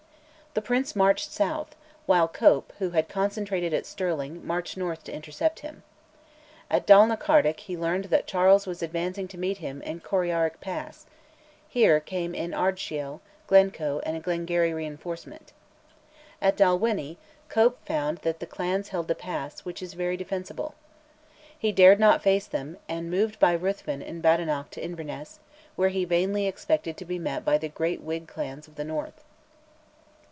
The Prince marched south, while Cope, who had concentrated at Stirling, marched north to intercept him. At Dalnacardoch he learned that Charles was advancing to meet him in Corryarrick Pass (here came in Ardshiel, Glencoe, and a Glengarry reinforcement). At Dalwhinnie, Cope found that the clans held the pass, which is very defensible. He dared not face them, and moved by Ruthven in Badenoch to Inverness, where he vainly expected to be met by the great Whig clans of the north.